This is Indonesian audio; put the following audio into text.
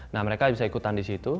nah mereka bisa ikutan di situ